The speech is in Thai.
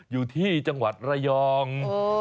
อยู่ที่จังหวัดระยอง